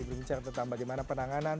bersama tentang bagaimana penanganan